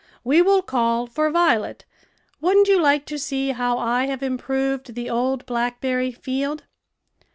"We will call for Violet. Wouldn't you like to see how I have improved the old blackberry field?"